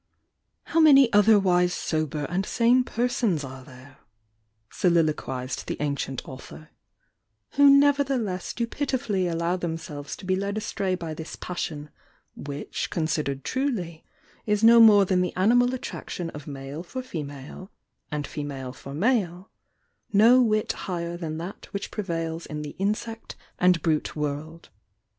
"How many otherwise sober and sane persona are there," soliloquised the ancient author— "who nevertheleod do pitifully allow themselves to be led astray by this passion, which considered truly, is no more than the animal attraction of male for fe male, and female for male, no whit higher than that which prevails in the insect and brute world.